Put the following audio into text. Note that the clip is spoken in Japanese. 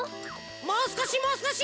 もうすこしもうすこし！